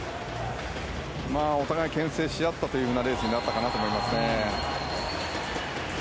お互いにけん制し合ったというレースになったかなと思います。